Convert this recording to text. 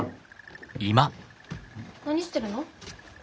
何してるの？